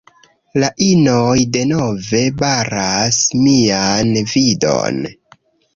La inoj denove baras mian vidon